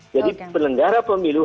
jadi penelenggara pemilu